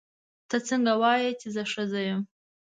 ته څنګه وایې چې زه ښځه یم.